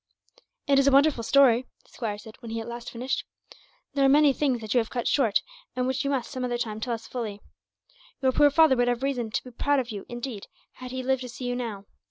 "It is a wonderful story," the squire said, when he at last finished. "There are many things that you have cut very short; and which you must, some other time, tell us fully. Your poor father would have reason to be proud of you, indeed, had he lived to see you now.